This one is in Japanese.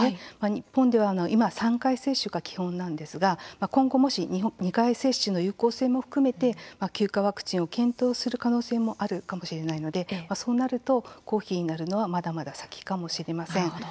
日本では今３回接種が基本なんですが、今後もし２回接種の有効性も含めて９価ワクチンを検討する可能性もあるかもしれないのでそうなると公費になるのはまだまだ先かもしません。